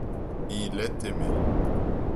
Il est aimé.